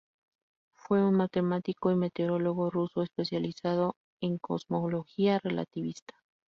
Fue un matemático y meteorólogo ruso, especializado en cosmología relativista.